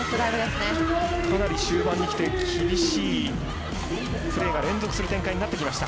かなり終盤にきて厳しいプレーが連続する展開になってきました。